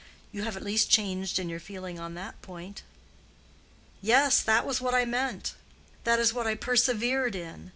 "You have at least changed in your feeling on that point." "Yes, that was what I meant. That is what I persevered in.